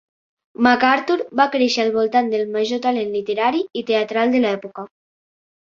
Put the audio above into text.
MacArthur va créixer al voltant del major talent literari i teatral de l'època.